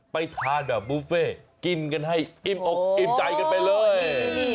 ไปทานแบบบุฟเฟ่กินกันให้อิ่มอกอิ่มใจกันไปเลย